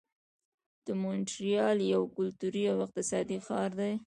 مونټریال یو کلتوري او اقتصادي ښار دی.